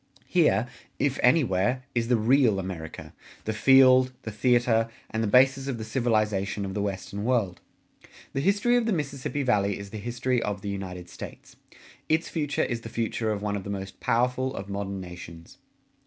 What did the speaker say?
Here, if anywhere, is the real America the field, the theater, and the basis of the civilization of the Western World. The history of the Mississippi Valley is the history of the United States; its future is the future of one of the most powerful of modern nations.